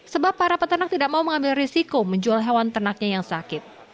sebab para peternak tidak mau mengambil risiko menjual hewan ternaknya yang sakit